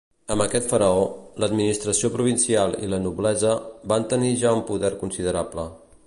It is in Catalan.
Amb aquest faraó, l'administració provincial i la noblesa van tenir ja un poder considerable.